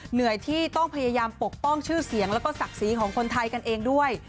เหนื่อยที่ต้องพยายามปกป้องชื่อเสียงแล้วก็ศักดิ์ศรีของคนไทยกันเองด้วย